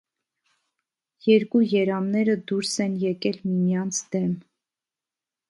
Երկու երամները դուրս են եկել միմյանց դեմ։